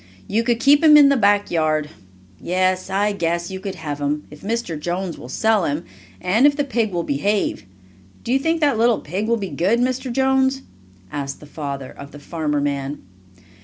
You could keep him in the back yard. Yes, I guess you could have him, if Mr. Jones will sell him, and if the pig will behave. Do you think that little pig will be good, Mr. Jones?" asked the father of the farmer man.